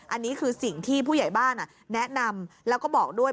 อันนี้คือสิ่งที่ผู้ใหญ่บ้านแนะนำแล้วก็บอกด้วย